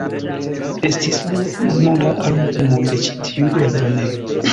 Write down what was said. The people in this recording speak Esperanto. Estis lia ununura albumo de ĉi tiu eldonejo.